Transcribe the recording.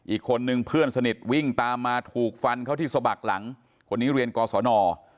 อีกคนนึงเพื่อนสนิทวิ่งตามมาถูกฟันเข้าที่สะบักหลังคนนี้เรียนกศน